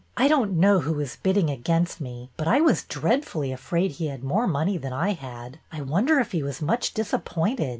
I don't know who was bidding against me, but I was dreadfully afraid he had more money than I had. I wonder if he was much disappointed?